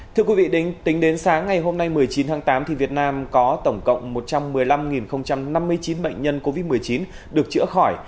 thưa quý vị tính đến sáng ngày hôm nay một mươi chín tháng tám việt nam có tổng cộng một trăm một mươi năm năm mươi chín bệnh nhân covid một mươi chín được chữa khỏi